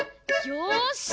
よし！